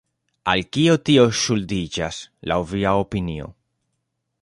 Al kio tio ŝuldiĝas, laŭ via opinio?